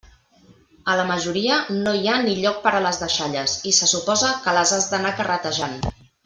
A la majoria, no hi ha ni lloc per a les deixalles i se suposa que les has d'anar carretejant.